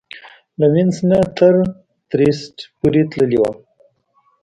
له وینس نه تر ترېسټ پورې تللې وه.